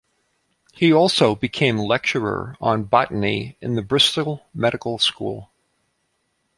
He also became lecturer on botany in the Bristol medical school.